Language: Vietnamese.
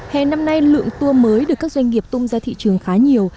hè năm nay lượng tour mới được các doanh nghiệp tung ra thị trường khá nhiều